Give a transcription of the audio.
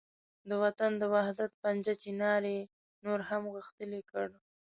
د وطن د وحدت پنجه چنار یې نور هم غښتلې کړ.